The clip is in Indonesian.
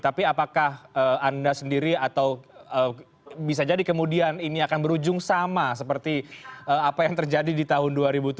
tapi apakah anda sendiri atau bisa jadi kemudian ini akan berujung sama seperti apa yang terjadi di tahun dua ribu tujuh belas